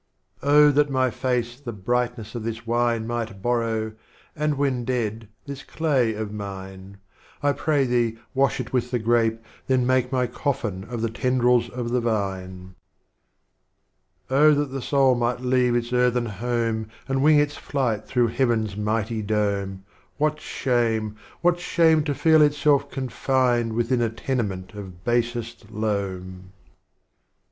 Oh that my Face the Brightness of this Wine Might borrow, and when dead, this Claj'^of mine, I pray Thee wash it with the Grape, then make My Coffin of the tendrils of the vine. Oh that the Soul might leave ils Earthen Home And wing its Flight through Heaven's Mighty Dome, What Shame, what Shame, to feel itself confined Within a tenement of Basest Loam.